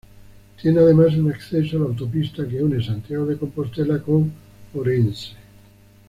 Tiene además, un acceso a la autopista que une Santiago de Compostela con Orense.